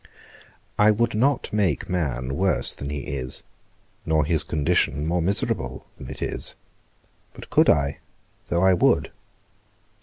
I would not make man worse than he is, nor his condition more miserable than it is. But could I though I would?